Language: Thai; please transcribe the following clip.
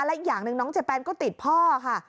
และอีกอย่างหนึ่งน้องเจแปนก็ติดพ่อค่ะ